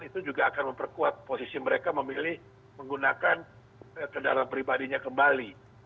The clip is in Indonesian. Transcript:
itu juga akan memperkuat posisi mereka memilih menggunakan kendaraan pribadinya kembali